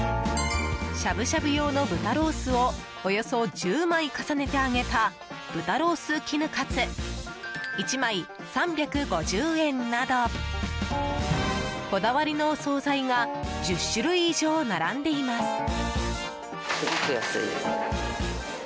しゃぶしゃぶ用の豚ロースをおよそ１０枚重ねて揚げた豚ロース絹カツ１枚３５０円などこだわりのお総菜が１０種類以上、並んでいます。